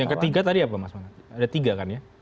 yang ketiga tadi apa mas mana ada tiga kan ya